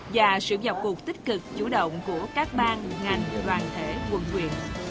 và sự vào cuộc tích cực chủ động của các bang ngành đoàn thể quân quyền